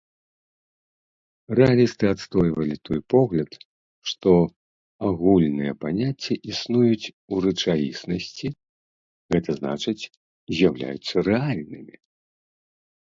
Рэалісты адстойвалі той погляд, што агульныя паняцці існуюць у рэчаіснасці, гэта значыць з'яўляюцца рэальнымі.